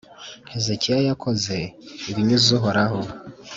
Hezekiya yakoze ibinyuze Uhoraho,